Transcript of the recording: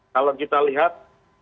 kalau kita lihat